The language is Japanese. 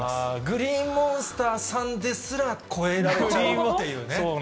グリーンモンスターさんですら、越えられちゃう。